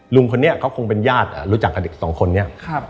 ลุงคนนี้เขาคงเป็นญาติรู้จักกับเด็กสองคนนี้